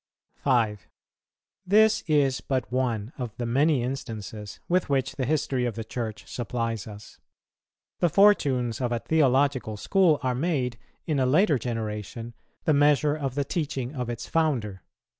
5. This is but one out of many instances with which the history of the Church supplies us. The fortunes of a theological school are made, in a later generation, the measure of the teaching of its founder.